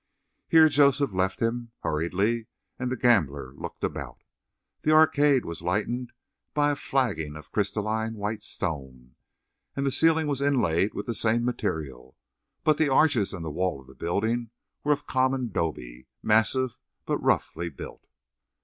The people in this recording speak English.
Here Joseph left him hurriedly, and the gambler looked about. The arcade was lightened by a flagging of crystalline white stone, and the ceiling was inlaid with the same material. But the arches and the wall of the building were of common dobe, massive, but roughly built.